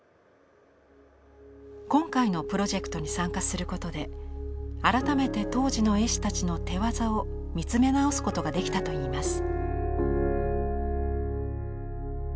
今回のプロジェクトに参加することで改めて当時の絵師たちの手業を見つめ直すことができたといいます。